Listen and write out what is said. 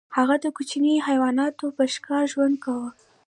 هغه د کوچنیو حیواناتو په ښکار ژوند کاوه.